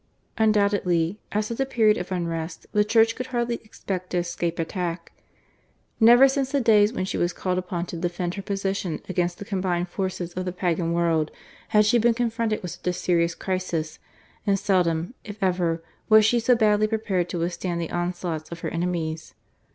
Undoubtedly, at such a period of unrest, the Church could hardly expect to escape attack. Never since the days when she was called upon to defend her position against the combined forces of the Pagan world had she been confronted with such a serious crisis, and seldom, if ever, was she so badly prepared to withstand the onslaughts of her enemies.